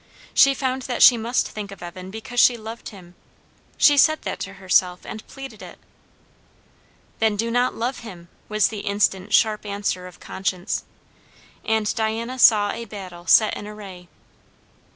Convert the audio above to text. She found that she must think of Evan, because she loved him. She said that to herself, and pleaded it. Then do not love him! was the instant sharp answer of conscience. And Diana saw a battle set in array.